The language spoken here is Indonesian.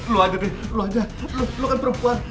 lo aja deh lo aja lo kan perempuan